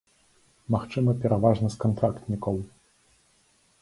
Магчыма, пераважна з кантрактнікаў.